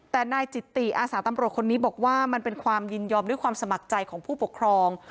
แต่นายจิตติอาสาตำรวจคนนี้บอกว่ามันเป็นความยินยอมด้วยความสมัครใจของผู้ปกครอง